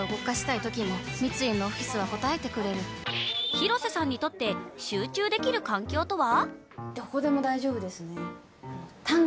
広瀬さんにとって集中できる環境とは。